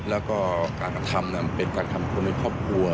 แล้วก็การกระทำเป็นการทำคนในครอบครัว